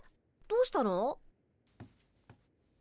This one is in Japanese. どうしたの？